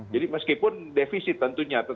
jadi meskipun defisit tentunya